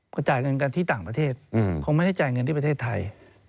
ก็จ่ายเงินกันที่ต่างประเทศคงไม่ได้จ่ายเงินที่ประเทศไทย